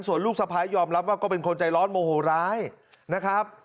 ส่วนลูกสะพ้ายยอมรับว่าก็เป็นคนใจร้อนโมโหร้ายนะครับ